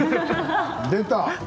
出た。